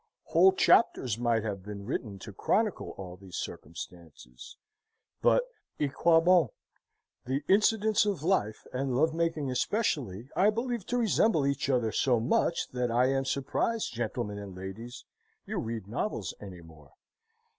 Whole chapters might have been written to chronicle all these circumstances, but A quoi bon? The incidents of life, and love making especially, I believe to resemble each other so much, that I am surprised, gentlemen and ladies, you read novels any more.